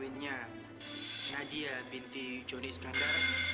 nadia binti joni iskandar